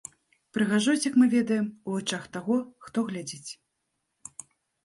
Прыгажосць, як мы ведаем, у вачах таго, хто глядзіць.